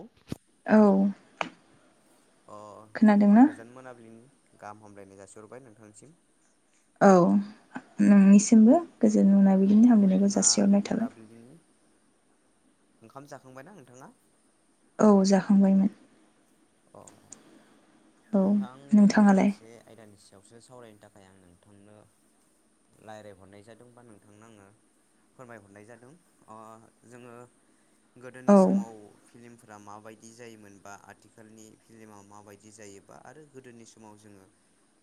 अ औ अ खोनादोंना गोजोन मोनाबिलिनि गाहाम हामलायनाय जासिहरबाय नोंथांनिसिम औ नोंनिसिमबो गोजोन औ मोनाबिलिनि हामलायनायखौ नोंथाङा जासिहरनाय थाबाय मोनाबिलिनि ओंखाम जाखांबायना नोंथाङा? औ जाखांबायमोन अ औ नोंथां दिनै नोंथाङालाय मोनसे आयदानिसिम दावसो सावरायनो थाखाय आं नोंथांनो रायजलायहरनाय जादों बा नोंथांनो आङो फोरमायहरनाय जादों अ जोङो गोदोनि औ समाव फिलिमफोरा माबायदि जायोमोन बा आथिखालनि फिलिमा माबायदि जायो बाआरो गोदोनि समाव जोङो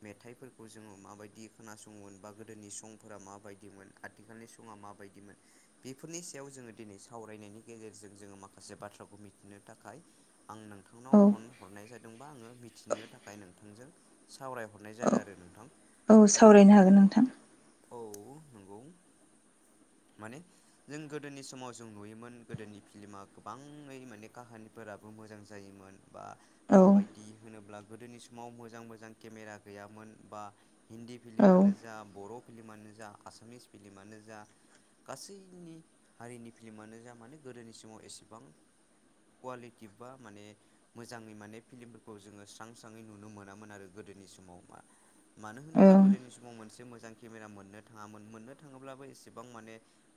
मेथाइफोरखौ जोङो माबायदि खोनासङोमोन बा गोदोनि संफोरा माबायदिमोन आथिखालनि समा मा माबायदिमोन बेफोरनि सायाव जोङो दिनै सावरायनायनि गेजेरजों जोङो माखासे बाथ्राखौ मिथिनो थाखाय खामय आं औ नोंथांनाव फन हरनाय जादोंबा आङो मिथिनो थाखाय नोंथांजों सावरायहरनाय औ जादों आरो नोंथां औ नंगौ माने सावरायनो हागोन जों नोंथां औ नंगौ माने जों गोदोनि समाव जों नुयोमोन गोदोनि फिलमा गोबाङै माने काहानिफोरा ब मोजां जायोमोन बा औ माबायदि होनोब्ला गोदोनि समाव मोजां मोजां केमेरा गैयामोन बा हिन्दी औ फिलि्मानो जा बर फिल्मानो जा आसामिस फिलमानो जा गासैनि हारिनि फिल्मानो जा माने गोदोनि समाव एसेबां कवालिटि बा माने मोजाङै माने फिलिम जोङो स्रां सङै नुनो मोनामोन आरो गोदोनि समाव म मानो होनोब्ला ओं गोदोनि समाव मोनसे थ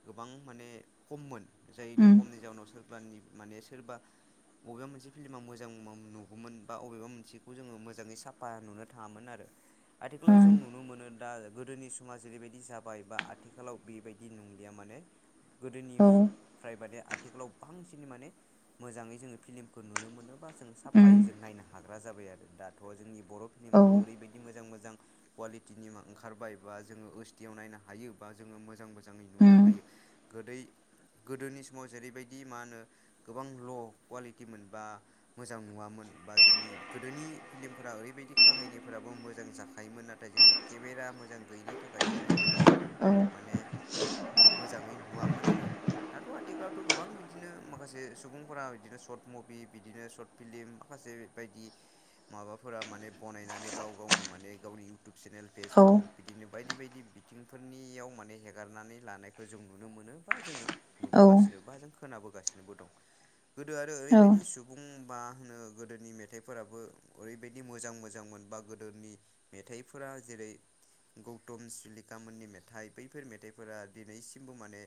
थोबबां मबां जाय नि उम खमनि जाउनाव सोरब माने सोरबा बबेबा मोनसे फिल्मा मोजां नुगौमोन बा बबेबा मोनसेखौ जोङो मोजाङै साफा नुनो थाङामोन आरो आथिखालाव ओं जों नुनो मोनो दा गो गोदोनि समा जेरैबायदि जाबाय बा आथिखालाव बेबायदि नंलिया माने गोदोनि औ प्राइभादया आथिखालाव बांसिन माने मोजाङै जोङो फिल्मखौ नुनो मोनो बा जोंो उम औ उम साफायै जों नायनो हायो हाग्रा जाबाय आरो दाथ जोंनि बर औ फिलिमाबबो ओरैबायदि मोजां मोजां मोजां कुवालिटिनि ओंखारबाय बा जोङो सटियाव नायनो हायो बा जोङो मोजां मोजाङै नुनो हायो गोदै गोदोनि समाव जेरैबायदि मा होनो गोबां ल कुवालिटिमोन बा मोजां नुवामोन बा जोंनि गोदोनि फिल्मफोरा ओरैबायदि काहायनिफोराबो मोजां जाखायोमोन नाथाय जोंनि केमेरा मोजां गैयिनि थाखायसो गोदोनि माने मोजाङै नुवामोन आरो दाथ आथिखालावथ गोबां बिदिनो माखासे सुबुंफोरा बिदिनो सर्ट सर्ट मुभि बिदिनो सर्ट फिल्म माखासे बायदि माबाफोरा माने बनायनानै गाव गावनो माने गावनि इउटुब चेनेल औ फेसबुक बिदिनो बायदि बायदि बिथिंफोरनियाव माने हगारनानै लानायखौ जों नुनो मोनो बा जोङो नुबोगासिनो बा जों खोनाबोगासिनोबो दं गोदो आरो औ ओरैबायदि सुबुं मा होनो गोदोनि मेथाइफोराबो ओरैबायदि मोजां मोजांमोन बा गोदोनि मेथाइफोरा जेरै गौतम सुलिक मोननि मेथाइ बैफोर मेथाइफोरा दिनैसिमबो माने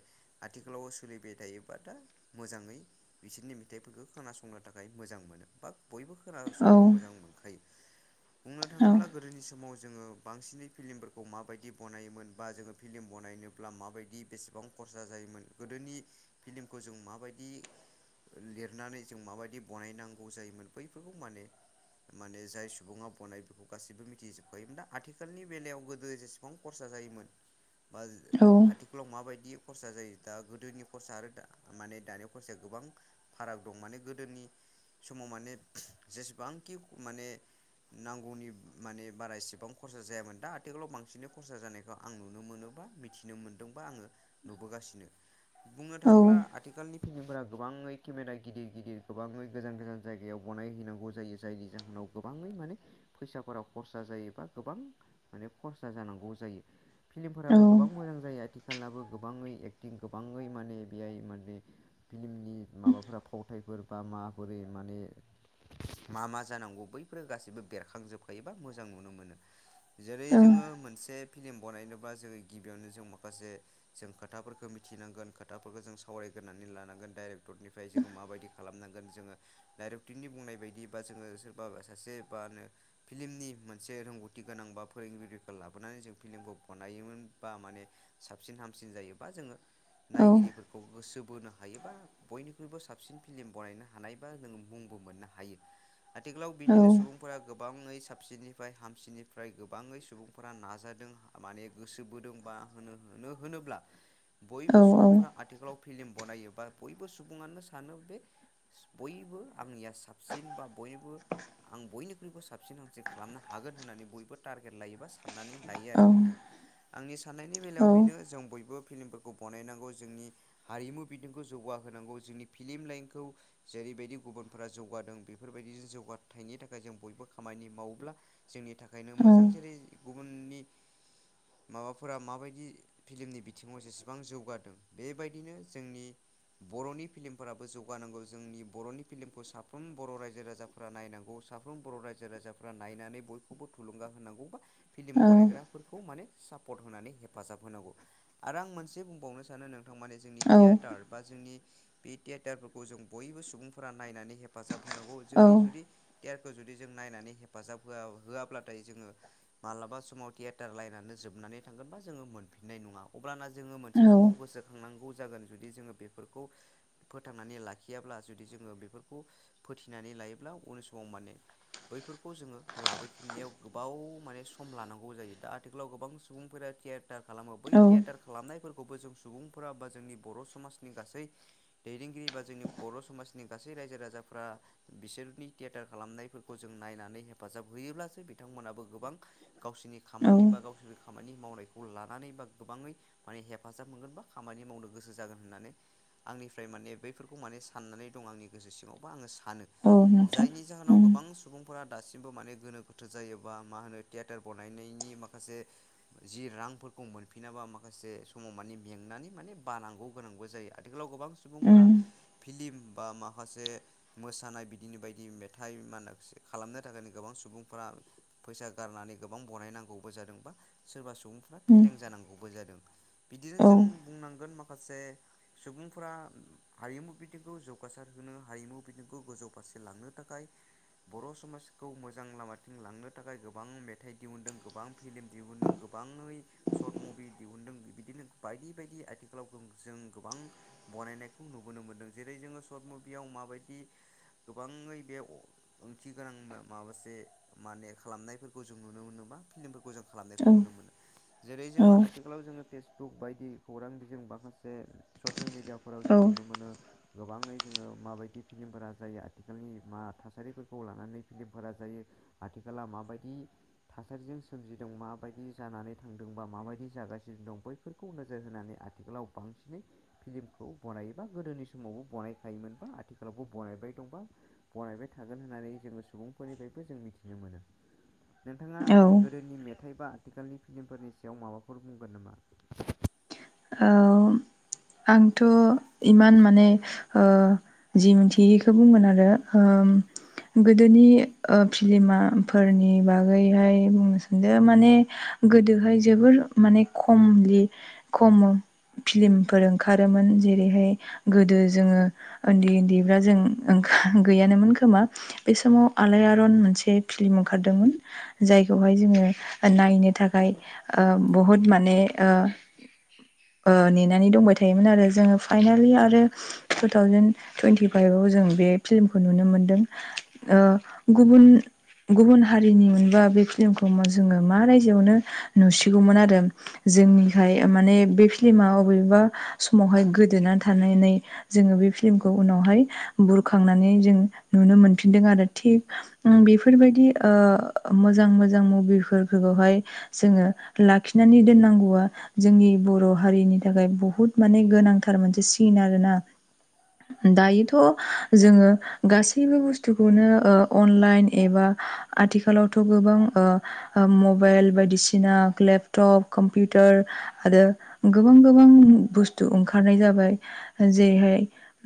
आथिखालाव सोलि सोलिबाय थायोबा दा मोजाङै बिसोरनि मेथाइफोरखौ खोनासंनो थाखाय मोजां मोनो बा बयबो औ खोनासंनो मोजां मोनखायो बुंनो औ थाङोब्ला गोदोनि समाव जोङो बांसिनै फिल्मफोरखौ माबायदि बनायोमोन बा जोङो फिल्म बनाय ज नायनोब्ला माब बायदि बेसेबां खरसा जायोमोन गोदोनि फिलि्मखौ जों म बायदि लिरनानै जों माबायदि बनायनांगौ जायोमोन बैफोरखौ माने माने जाय सुबुङा बनाय बेखौ गाससिबो मिथिजोबखायोोम दा आथिखालनि बेलायाव गोदो जेसेबां खरसा ज जायोमोन बा औ आथिखालाव माबायदि खरसा जायो दा गोदोनि खरसा आरो माने दानि खरसाया गोबां फाराग दं माने गोदोनि समाव माने जेसेबांखि माने नांगौनि माने बारा एसेबां खरसा जायामोन दा आथिखालाव बांसिनै खरसा जानायखौ आं नुनो मोनो नो मोनदोंा आङ नुासिनो बुंनो औ थाङोब्ला आथिालनि फिनिमफोरा गोबाङै केमेरा गिदिर गिदिर गोबाङै गोजान गोजान जायगायाव गनाय हैनांगौ जायो जायनि जाहोनाव गोबाङै माने फैसाफोरााव खरसा जायोबा गोबां मे खरसा जानांगौ जायो फिल्मफोराबो गोबां मोजां जायो आथिखालावबो गोबाङै एक्टिं गोबाङै माने बेहाय माने फिलिमनि माबाफोरा फावथाय फोर बा माबोरै माने मा मा जानांगौ बैफोर गासिबो बेरखांजोबखायोबा मोजां नुनो मोनो। जेरै जोङो मोनसे फिल्म बानायनोब्ला जोङो गिबियावनो जों माखासे जों खोथाफोरखौ मिथिनांगोन खोथाफोरखौ जों सावराय ग्रोनानै लानांगोन डाइरेक्टरनिफ्राय जों माबायदि खालामनांगोन जोङो डरेक्ट टरनि बुंनाय बायदि बा जोङो सोरबा सासे बा होनो फिल्मनि मोनसे रोंगौथि गोनां बा फोरों गिरिखौ लाबोनानै जों फिल्मखौ बानायोमोन बा माने साबसिन हामसिन जायोबा जोङो नायगिरिफोरखौ गोसो बोनो हायो बा बयनिख्रुइबो साबसिन फिलम बानायनो हानाय बा जोंङो मुंबो मोननो हायो। आथिखालाव बिदिनो सुबुंफोरा गोबां गोबाङै साबसिननिफ्राय हामसिननिफ्राय गोबाङै सुबुंफोरा नाजादों माने गोसो बोदों बा आ होनो-होनो-होनोब्ला बयबो सुबुंफोरा आथिखालाव फिलिम बनायो बा बयबो सुबुङानो सानो बे बयबो आंनिया साबसिन बा बयबो आं बयनिख्रुइबो साबसिन हामसिन खालामनो हागोन होननानै बयबो टारगेट लायोबा साननानै लायो आरो नोंथां। आंनि साननायनि बेलायाव बेनो जों बयबो फिलगमफोरखौ बनायनांगौ जोंनि हारिमु बिथिंखौ जौगा होनांगौ जोंनि फिलिम लाइनखौ जेरैबायदि गुबुन फोरा जौगादों बेफोरबायदि जौगाथायाइनि थाखाय जों बयबो खामानि मावोब्ला जोंनि था खायनो मोजां। जेरै गुबुननि माबाफोरा माबायदि फिलिमनि बिथिङाव जेसेबां जौगादों बेबायदिनो जोंनि बर'नि फिलिमफोराबो जौगानांगौ जोंनि बर'नि फिलिम खौ साफ्रोम बर' रायजो राजाफोरा नायनांगौ साफ्रोम बर' रायजो राजाफोरा नायनानै बयखौबो थुलुंगा होनां [inaudible] फिलिम बनायग्राफोरखौ माने सापर्ट होनानै हेफाजाब होनांगौ। आरो आं मोनसे बुंबावनो सानो नों थां माने जोंनि औ थियेटार बा जोंनि बे थियेटारफोरखौ जों बयबो सुबुंफोरा नायनानै हेफाजाब होनांगौ औ जोंनि जुदि टेयार खौ जुदि जों नायनानै हेफाजाब होआ-होआब्लाथाय जोङो मालाबा समाव थियेटार लाइयेनानो जोबनानै थांगोन बा जोङो मोनफिननाय नङा। अब्लाना जोङो औ मोनसे समाव गोसोखांनांगौ जागोन जुदि जोङो बेफोरखौ फोथांनानै लाखियाब्ला जुदि जोङो बे फोरखौ फोथिनानै लायोब्ला उननि समाव माने बैफोरखौ जोङो लाबोफिननायाव गोबाव माने सम लानांगौ जायो। दा आथिखालाव गोबां सुबुंफोरा टिये टार खालामो बै औ थियेटार खालामनायफोर खौबो जों सुबुंफोरा बा जोंनि बर' समाजनि गासै दैदेनगिरि बा जोंनि बर' समाजनि गासै रायजो राजाफ्रा बिसोरनि थियेटार खालामनायफोरखौ जों नायनानै हेफाजाब होयोब्लासो बिथां मोनाबो गोबां गावसिनि औ खामानि बा गावसोर खामानि मावनायखौ लानानै बा गोबाङै माने हेफाजाब मोनगोन बा खामानि मावनो गोसो जागोन होननानै आंनिफ्राय माने बैफोरखौ माने साननानै दं आंनि गोसो सिङावबा आङो सानो। औ नोंथां जायनि जाहोनाव उम गोबां सुबुंफोरा दासिमबो माने गोनो गोथो जायोबा मा होनो थियेटार बानायनायनि माखासे जि रांफोर मोनफिनाबा माखासे समाव मानि मेंनानै माने बानांगौ गोनांगौ जायो। आथिखालाव गोबां सुबुंफोरा उम फिलिम बा माखासे मोसानाय बिदिनो बायदि मेथाइ मा खालामनो थाखायनो गोबां सुबुंफोरा फैसा गारनानै गोबां बनायनांगौबो जादोंबा सोरबा सु बुंफोरा उम फेलें जानांगौबो जादों। बिदिनो औ जों बुंनांगोन मा खासे सुबुंफोरा हारिमु बिथिंखौ जौ जौगासार होनो हारिमु बिथिंखौ गोजौ फारसे लांनो थाखाय बर' समाजखौ मोजां लामाथिं लांनो थाखाय गोबां मेथाइ दिहुनदों गोबां फिल्म दिहुनदों गो गोबाङै सर्ट मुभि दिहुनन्दों बिदिनो बायदि बायदि आथिखालाव जों गोबां बनायनायखौ नुबोनो मोन्दों। जेरै जोङो सर्ट मुभियाव माबायदि गोबाङै बे ओंथि गोनां माबासे माने खालामनायफोरखौ जों नुनो मोनो बा फिल्मफोरखौ जों खालामनायखौ औ नुनो मोनो। जेरै औ जोंङो आथिखालाव जोङो फेसबुक बायदि खौरां बिजों माखासे ससियेल मिडियाफोराव जों नुनो मोनो गोबाङै जोङो माबायदि फिल्मफोरा जायो आथिखालनि मा थासारिफोरखौ लानानै फिल्मफोरा जायो आथि खाला माबायदि थासारिजों सोमजिदों माबायदि जानानै थांदों बा माबायदि जागासिनो दं बैफोरखौ नोजोर होनानै आथिखालाव बांसिनै फिलिमखौ बनायो बा गोदोनि समावबो बनायो खायोमोनबा आथिखालावबो बानायबाय दंबा बानायबाय थागोन होननानै जोङो सुबुंफोरनिफ्रायबो जों मिथिनो मोनो। नोंथाङा औ गोदोनि मेथाइ बा आथिखालनि फिलिमफोरनि सायाव माबाफोर बुंगोन नामा? औ। आंथ' इमान माने ओ जि मोन्थियो बिखौ बुंगोन आरो। ओ उम गोदोनि ओ फिलिमा फोरनि बागैहाय बुंनो सानदो माने गोदोहाय जोबोर माने खमलि खम' फिलिमफोर ओंखारोमोन जेरैहाय गोदो जोङो ओन्दै ओन्दै ओ जों ओं गैयानोमोन खोमा बे समाव आलायारन मोनसे फिल्म ओंखारदोंमोन। जायखौहाय जोङो नायनो थाखाय ओ बहुद माने ओ [inaudible] ओ नेनानै दंबाय थायोमोन आरो जोङो फाइनालि आरो टु थावजेेन टुइन्टि फाइभआव जों बे फिल्मखौ नुनो मोनदों ओ गुबुन गुबुन हारिनि मोनबा बे फिल्मिखौ जोङो मा रायजोआवनो नुसिगौमोन आरो‌ जोंनिखाय माने बे फिल्मा अबेबा समावहाय गोदोना थानानै जोङो बे फिल्मखौ उनाव हाय बुरखांनानै जों नुनो मोनफिनदों आरो थिग उम बेफोरबायदि ओ मोजां मोजां मुबिफोरखोबोहाय जोङो लाखिनानै दोननांगौआ जोंनि बर' हारिनि थाखाय बुहुत माने गोनांथार मोनसे सिन आरोना दायोथ' जोङो गासैबो बुस्थुखौनो ओ अनलाइन एबा आथिखालावथ' गोबां ओ ओ मबाइल बायदिसिना लेपथप कम्पिउट तोर आरो गोबां गोबां बुस्थु ओंखारनाय जाबाय जेरैहाय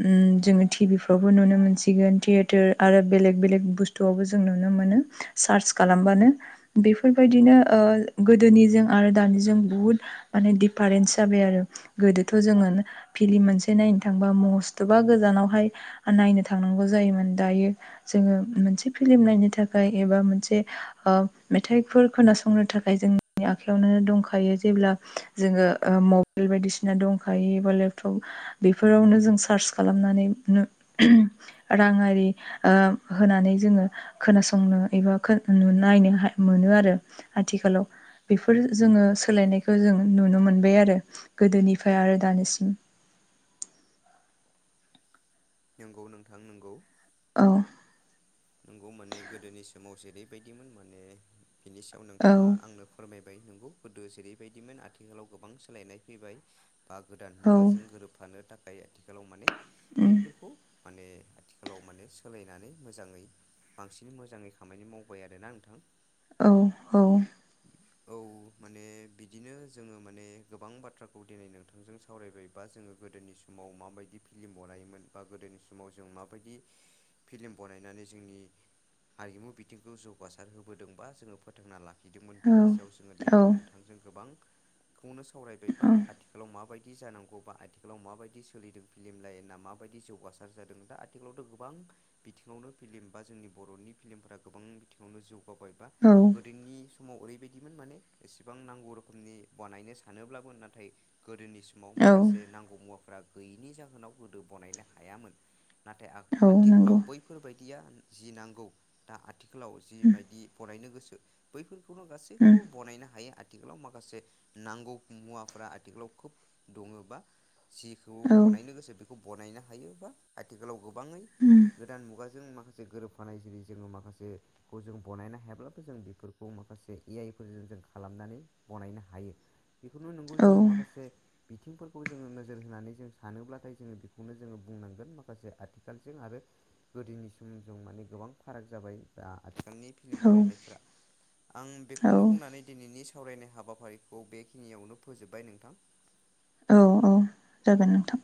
उम जोङो थिभिफ्रावबो नुनो मोनसिगोन थियेटार आरो बेलेग बेलेग बुस्थुआवबो जों नुनो मोनो। सार्च खालामबानो बेफोर बायदिनो ओ गोदोनिजों आरो दानिजों बुहुद माने दिफारेन्स जाबाय आरो गोदोथ' जोङो फिलिम मोनसे नायनो थांबा मस्थ'बा गोजान नायनो थांनांगौ जायोमोन दायो जोङो मोनसे फिलिम नायनो थाखाय एबा मोनसे मेथाइफोर खोनासंनो थाखाय जोंनि आखायावनो दंखायो जेब्ला जोङो मबाइल बायदिसिना दंखायो बा लेपटप बेफोरावनो जों सार्च खालाम [inaudible] नायनो मोनो आरो आथिखालाव। जों नुनो मोनबाय आरो गोदोनिफ्राय आरो दानिसिम नंगौ नोंथां नंगौ। औ। नंगौ माने गोदोनि समाव जेरैबायदिमोन माने बिनि सायाव नोंथाङा आंनो फोरमाय बाय नंगौ गोदो जेरैबायदिमोन आथिखालाव गोबां सोलायनाय फैबाय। बा गोदान मुगाजों गोरोबफानो थाखाय आथिखालाव माने बैफोरखौ माने आथिखालाव माने सोलायनानै मोजाङै। बांसिन मोजाङै खामानि मावबाय आरोना नोंथां। औ औ। औ माने। बिदिनो जोङो माने गोबां बाथ्राखौ दिनै नोंथांजों सावरायबायबा जोङो गोदोनि समाव माबाय फिलिम बनायोमोन गोदोनि समाव जों माबायदि फिलिम बनायनानै जोंनि हारिमु बिथिंखौ जौगासार होबोदोंबा जोङो फोथांना ला बिदोंमोन बेनि सायाव जोङो दिनै नोंथांजों गोबां खौनो सावरायबायबा आथिखालाव माबायदि दि जानांगौ बा आथिखालाव माबायदि सोलिदों फिल्म लाइना माबायदि जौगासार जादों दा आथिखालावथ' गोबां बिथिङावनो फिल्म बा जोंनि बरनि फिलिमफोरा गोबां बिथिङावनो जौगाबाय बा गोदोनि समाव ओरैबायदिमोन माने एसेबां नांगौ रोखोमनि बानायनो सानोब्लाबो नाथाय गोदोनि समाव माखासे नांगौ मुवाफ्रा गैयैनि जाहोनाव गोदो बनायनो हायामोन नाथाय आ-आथिखालाव बैफोरबायदिया जि नांगौ दा थिखालाव जिबायदि बनायनो गोसो बैफोरखौनो गासैखौबो बनायनो हायो आ आथिखालाव माखासे नांगौ मुवाफोरा आथिखालाव खोब दङ' बा जिखौ बनायनो गोसो बेखौ बनायनो हायो बा आथिखालाव गोबाङै गोदान मुगा जों माखासे गोरोबफानाय जुदि जोङो माखासेखौ जों बनायनो हायाब्लाबो जों बेफोरखौ माखासे ए आइ जों खालामनानै बनायनो हायो बेखौनो नंगौ जोङो माखासे बिथिंफोरखौ जोङो नोजोर होनानै जों सानोब्लाथाय जोङो बेखौनो जोङो बुंनांगोन माखासे आथिखालजों आरो गोदोनि समजों माने गोबां फाराग जाबाय दा बिथांनि फिलम बानायनायफोरा आं बेखौनो बुंनानै दिनैनि सावरायनाय हाबाफारिखौ बेखिनियावनो फोजोबबाय नोंथां। औ औ जागोन नोंथां।